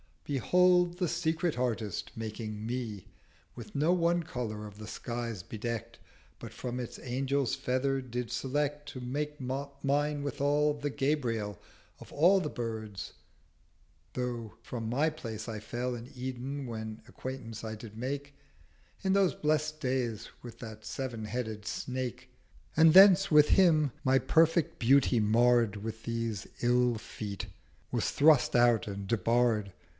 'Behold, the Secret Artist, making me, With no one Colour of the skies bedeckt, But from its Angel's Feathers did select To make up mine withal, the Gabriel Of all the Birds: though from my Place I fell In Eden, when Acquaintance I did make In those blest days with that Sev'n headed Snake, 300 And thence with him, my perfect Beauty marr'd With these ill Feet, was thrust out and debarr'd.